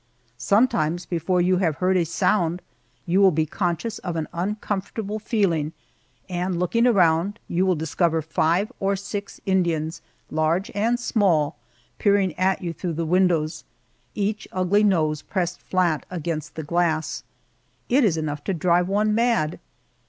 Sometimes before you have heard a sound you will be conscious of an uncomfortable feeling, and looking around you will discover five or six Indians, large and small, peering at you through the windows, each ugly nose pressed flat against the glass! It is enough to drive one mad.